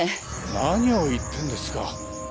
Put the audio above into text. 何を言ってんですか。